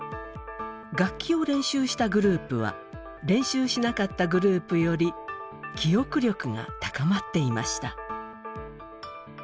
楽器を練習したグループは練習しなかったグループより記憶力が高まっていました。